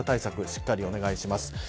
しっかりお願いします。